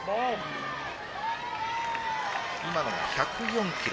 今のが１０４ｋｍ。